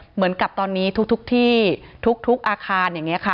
เหมือนกับตอนนี้ทุกที่ทุกอาคารอย่างนี้ค่ะ